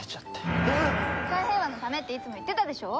世界平和のためっていつも言ってたでしょ！